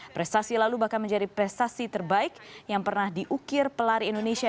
prestasi lalu bahkan menjadi prestasi terbaik yang pernah diukir pelari indonesia